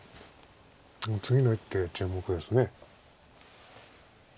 次の一手が注目です。